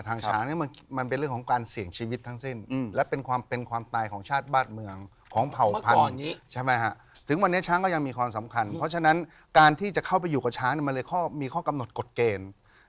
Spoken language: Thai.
ถึงวันนี้ช้างก็ยังมีความสำคัญเพราะฉะนั้นการที่จะเข้าไปอยู่กับช้างมันเลยมีข้อกำหนดกฎเกณฑ์